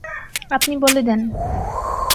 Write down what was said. আপনি বলে দেন।